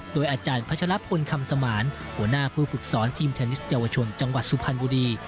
โดยอาจารย์พัชลพลคำสมานหัวหน้าผู้ฝึกสอนทีมเทนนิสเยาวชนจังหวัดสุพรรณบุรี